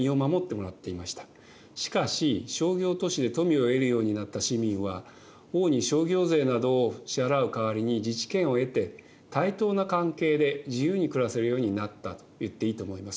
しかし商業都市で富を得るようになった市民は王に商業税などを支払う代わりに自治権を得て対等な関係で自由に暮らせるようになったといっていいと思います。